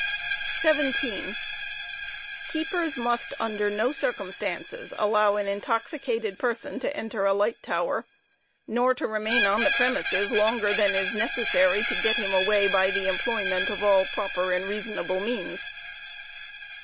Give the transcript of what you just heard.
* intoxicated 17. Keepers must under no circumstances allow an intoxicated person to enter a persona. light tower, nor to remain on the premises longer than is necessary to get him away by the employment of all proper and reasonable means.